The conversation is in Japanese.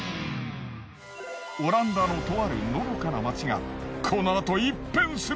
オランダのとあるのどかな町がこのあと一変する。